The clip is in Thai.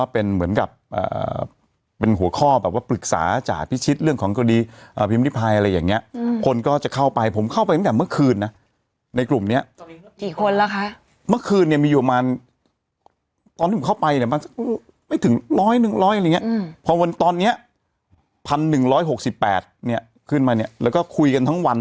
เป็นหัวข้อแบบว่าปรึกษาจากพิชิตเรื่องของกรดีอ่าพิมพิภายอะไรอย่างเงี้ยอืมคนก็จะเข้าไปผมเข้าไปตั้งแต่เมื่อคืนน่ะในกลุ่มเนี้ยตอนนี้ก็สี่คนแล้วคะเมื่อคืนเนี้ยมีอยู่ประมาณตอนที่ผมเข้าไปเนี้ยมันไม่ถึงร้อยหนึ่งร้อยอะไรเงี้ยอืมพอวันตอนเนี้ยพันหนึ่งร้อยหกสิบแปดเนี้ยขึ้นมาเนี้ยแล้วก็คุยก